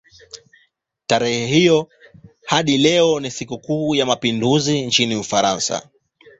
Tarehe hiyo hadi leo ni sikukuu ya mapinduzi nchini Ufaransa.